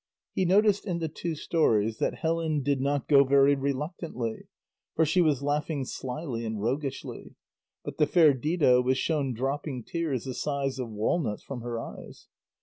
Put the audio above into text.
He noticed in the two stories that Helen did not go very reluctantly, for she was laughing slyly and roguishly; but the fair Dido was shown dropping tears the size of walnuts from her eyes.